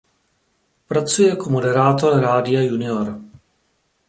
Pracuje jako moderátor Rádia Junior.